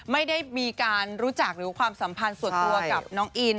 ไม่ได้มีการรู้จักหรือความสัมพันธ์ส่วนตัวกับน้องอิน